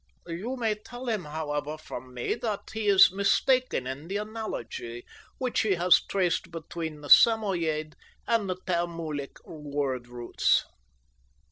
You may tell him, however, from me that he is mistaken in the analogy which he has traced between the Samoyede and Tamulic word roots."